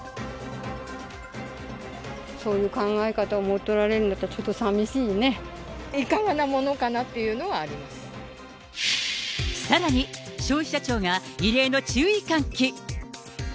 そういう考え方を持っておられるんだったら、ちょっとさみしいかがなものかなっていうのさらに、消費者庁が異例の注意喚起。